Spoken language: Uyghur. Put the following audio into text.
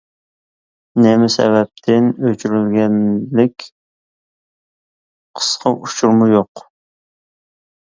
نېمە سەۋەبتىن ئۆچۈرۈلگەنلىك قىسقا ئۇچۇرمۇ يوق.